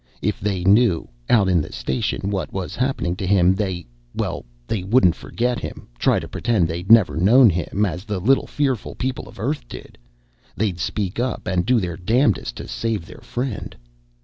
If they knew, out in the station, what was happening to him, they well, they wouldn't forget him, try to pretend they'd never known him, as the little fearful people of Earth did. They'd speak up, and do their damnedest to save their friend.